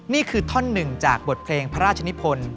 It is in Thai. นี่คือท่อนหนึ่งจากบทเพลงพระราชนิพล